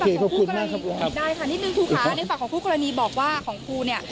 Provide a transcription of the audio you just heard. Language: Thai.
โอเคขอบคุณมากครับคุณครับได้ค่ะนิดหนึ่งคุณค่ะในฝากของผู้กรณีบอกว่าของคุณเนี่ย